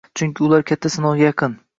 Chunki ular katta sinovga yaqin